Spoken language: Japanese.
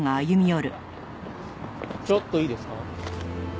ちょっといいですか？